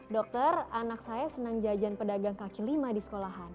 dokter anak saya senang jajan pedagang kaki lima di sekolahan